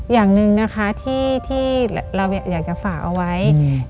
อย่างหนึ่งที่เราอยากจะฝากเอาไว้